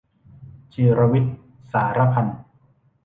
จิรวิทย์ สาระพันธ์